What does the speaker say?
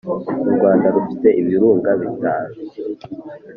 U Rwanda rufite ibirunga bitantu